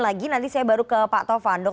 halo pak pertanyaannya apa mbak